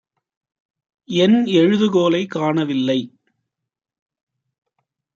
என் எழுதுகோலைக் காணவில்லை.